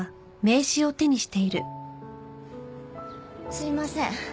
すいません。